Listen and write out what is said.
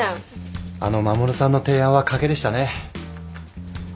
あの衛さんの提案はかけでしたね。